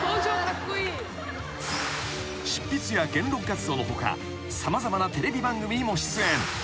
［執筆や言論活動の他様々なテレビ番組にも出演］